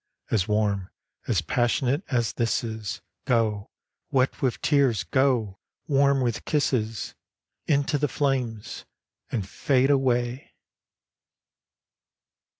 As warm, as passionate, as this is, Go ! wet with tears, go ! warm with kisses. Into the flames, and fade away